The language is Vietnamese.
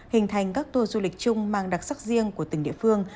hình thành các tour du lịch chung mang đặc sắc riêng của từng địa phương